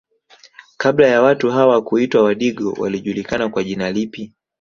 Kabla ya watu hawa kuitwa wadigo walijulikana kwa jina lipi